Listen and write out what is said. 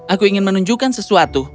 aku ingin menunjukkan sesuatu